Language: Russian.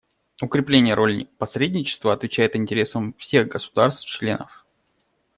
Укрепление роли посредничества отвечает интересам всех государств-членов.